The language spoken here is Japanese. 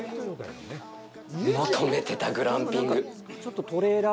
求めてたグランピング！